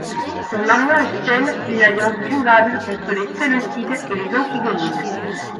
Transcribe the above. Son mariage scelle une alliance durable entre les Séleucides et les Antigonides.